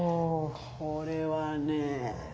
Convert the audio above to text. これはね。